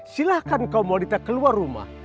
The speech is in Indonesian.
silahkan kaum wanita keluar rumah